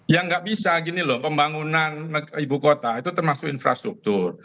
ya nggak bisa gini loh pembangunan ibu kota itu termasuk infrastruktur